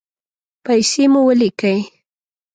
پیسې مو ولیکئ